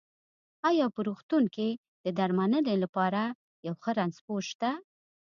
ايا په روغتون کې د درمنلې لپاره يو ښۀ رنځپوۀ شته؟